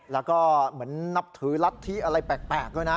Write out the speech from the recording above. แล้วก็เหมือนนับถือรัฐธิอะไรแปลกด้วยนะ